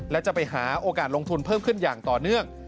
และจะไปหาโอกาสลงทุนเพิ่มขึ้นอย่างต่อเนื่อง